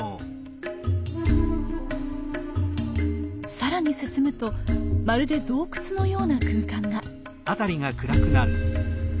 更に進むとまるで洞窟のような空間が。